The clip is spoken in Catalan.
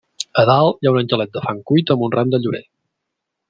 A dalt hi ha un angelet de fang cuit amb un ram de llorer.